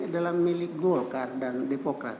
adalah milik golkar dan depokrat